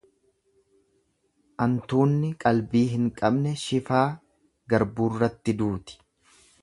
Antuunni qalbii hin qabne shifaa garbuurratti duuti.